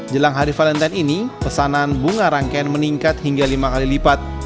jelang hari valentine ini pesanan bunga rangkaian meningkat hingga lima kali lipat